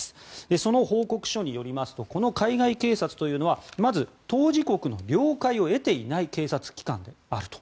その報告書によりますとこの海外警察というのはまず当事国の了解を得ていない警察機関であると。